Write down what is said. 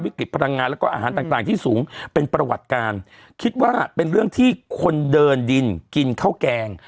พลังงานแล้วก็อาหารต่างต่างที่สูงเป็นประวัติการคิดว่าเป็นเรื่องที่คนเดินดินกินข้าวแกง